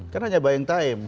kan hanya buy and time